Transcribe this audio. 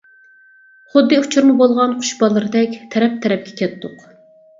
خۇددى ئۇچۇرما بولغان قۇش بالىلىرىدەك تەرەپ-تەرەپكە كەتتۇق.